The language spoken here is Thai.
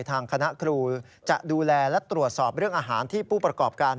ทางคณะครูจะดูแลและตรวจสอบเรื่องอาหารที่ผู้ประกอบการ